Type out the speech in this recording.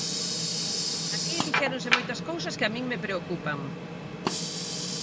Aquí dixéronse moitas cousas que a min me preocupan.